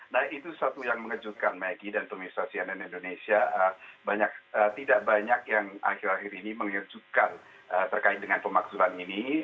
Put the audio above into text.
nah itu satu yang mengejutkan maggie dan pemirsa cnn indonesia tidak banyak yang akhir akhir ini mengejutkan terkait dengan pemaksulan ini